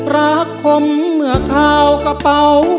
รักคมเหมือนขาวกระเป๋า